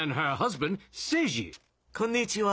こんにちは。